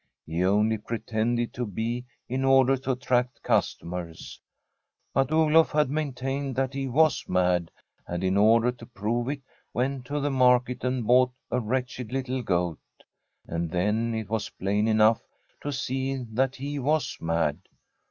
He only pretended to be in order to attract customers. But Oluf had maintained that he was mad, and in order to prove it went to the market and bought a wretched little goat. And then it was plain enough to see that he was mad.